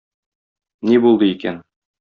Ни булды икән?